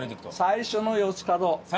最初の四つ角。